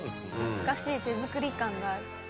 懐かしい手作り感がある。